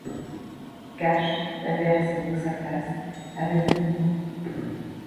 Kash inverse donc sa place avec Bruno.